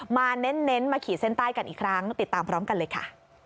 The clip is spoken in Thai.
เน้นมาขีดเส้นใต้กันอีกครั้งติดตามพร้อมกันเลยค่ะ